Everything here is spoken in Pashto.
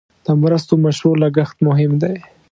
د مرستو مشروع لګښت مهم دی.